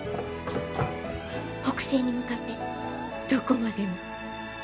北西に向かってどこまでも。